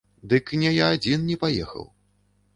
Дык не я адзін не паехаў.